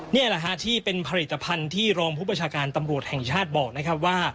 นี่แหละฮะที่เป็นผลิตภัณฑ์ที่รองผู้ประชาการตำรวจแห่งชาติบอกนะครับว่า